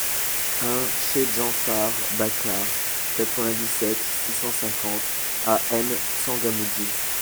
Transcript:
un cHE DJANFAR BACAR, quatre-vingt-dix-sept, six cent cinquante à M'Tsangamouji